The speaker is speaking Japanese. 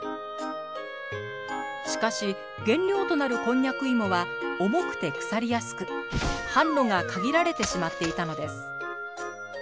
しかし原料となるこんにゃく芋は重くて腐りやすく販路が限られてしまっていたのです。